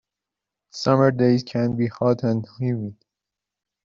Summer days can be hot and humid.